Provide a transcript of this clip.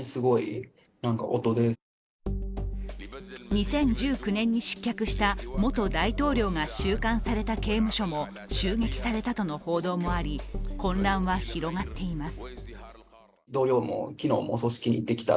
２０１９年に失脚した元大統領が収監された刑務所も襲撃されたとの報道もあり混乱は広がっています。